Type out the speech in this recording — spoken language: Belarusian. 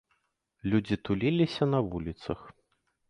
Людзі туліліся на вуліцах.